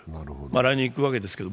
来年、行くわけですけれども。